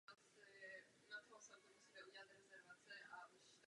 V devatenáctém a na počátku dvacátého století sloužilo jako místo politického vyhnanství.